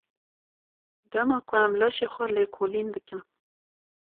Dema ku em laşê xwe lêkolîn dikin.